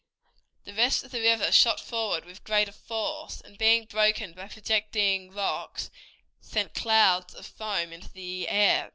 The rest of the river shot forward with greater force, and, being broken by projecting rocks, sent clouds of foam into the air.